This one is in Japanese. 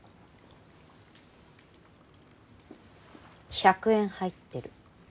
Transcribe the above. １００円入ってる。